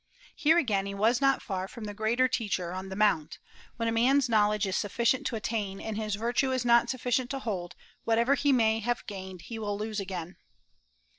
Here again he was not far from the greater Teacher on the Mount "When a man's knowledge is sufficient to attain and his virtue is not sufficient to hold, whatever he may have gained he will lose again."